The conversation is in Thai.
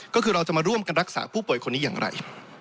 ก็คือเราจะมาร่วมกันรักษาผู้ป่วยคนนี้อย่างไร